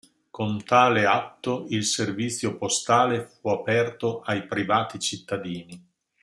Con tale atto il servizio postale fu aperto ai privati cittadini.